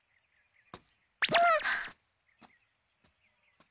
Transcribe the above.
あっ。